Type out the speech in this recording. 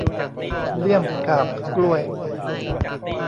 เลี่ยมกาบกล้วย